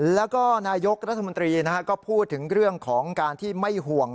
แล้วก็นายกรัฐมนตรีก็พูดถึงเรื่องของการที่ไม่ห่วง